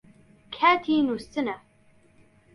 کاتی نووستنە